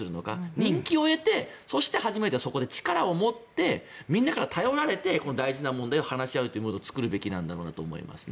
人気を得てそして初めてそこで力を持ってみんなから頼られて大事な問題を話し合うというムードを作るべきなんだろうなと思いますね。